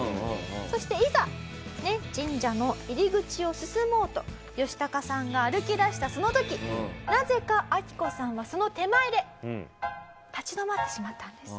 そしていざ神社の入り口を進もうとヨシタカさんが歩き出したその時なぜかアキコさんはその手前で立ち止まってしまったんです。